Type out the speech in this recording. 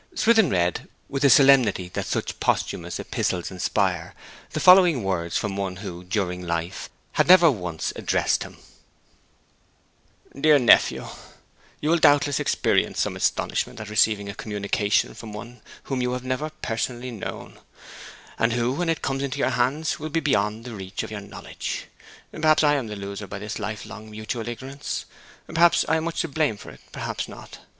Swithin read, with the solemnity that such posthumous epistles inspire, the following words from one who, during life, had never once addressed him: 'DEAR NEPHEW, You will doubtless experience some astonishment at receiving a communication from one whom you have never personally known, and who, when this comes into your hands, will be beyond the reach of your knowledge. Perhaps I am the loser by this life long mutual ignorance. Perhaps I am much to blame for it; perhaps not.